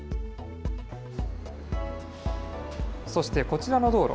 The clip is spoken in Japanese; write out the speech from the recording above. そして、こちらの道路。